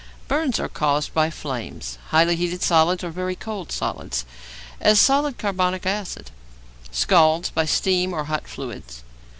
=Burns= are caused by flames, highly heated solids, or very cold solids, as solid carbonic acid; scalds, by steam or hot fluids.